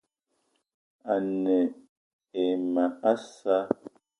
Ane e ma a sa'a